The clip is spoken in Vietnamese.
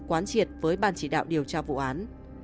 quán triệt với ban chỉ đạo điều tra vụ án